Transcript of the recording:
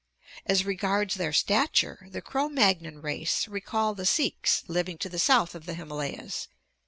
Asre garda their stature the Cro Magnon race recall the Sikhs living to the south of the Himalayas.